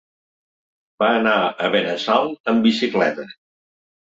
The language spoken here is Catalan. Va anar a Benassal amb bicicleta.